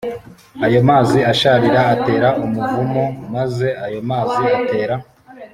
Ayo mazi asharira atera umuvumo j maze ayo mazi atera